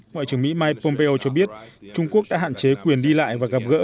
ngoại trưởng mỹ mike pompeo cho biết trung quốc đã hạn chế quyền đi lại và gặp gỡ